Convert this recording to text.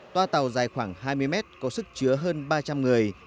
toa tàu dài khoảng hai mươi mét có sức chứa hơn ba trăm linh người